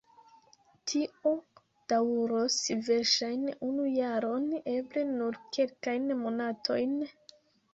Tio daŭros verŝajne unu jaron, eble nur kelkajn monatojn...